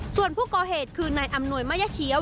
ส่วนผู้ก่อเหตุคือนายอำนวยมะยะเชียว